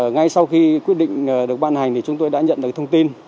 ngay sau khi quyết định được ban hành thì chúng tôi đã nhận được thông tin